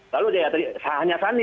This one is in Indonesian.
lalu ya tadi hanya sandi yang